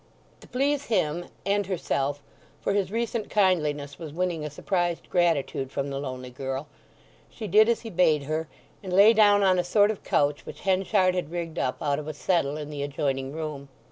To please him, and herself—for his recent kindliness was winning a surprised gratitude from the lonely girl—she did as he bade her, and lay down on a sort of couch which Henchard had rigged up out of a settle in the adjoining room.